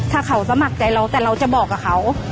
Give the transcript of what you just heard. ถ้าเขาสมัครใจเราแต่เราจะบอกกับเขา